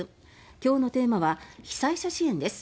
今日のテーマは被災者支援です。